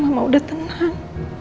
mama udah tenang